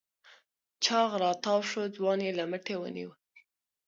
چاغ راتاوشو ځوان يې له مټې ونيو.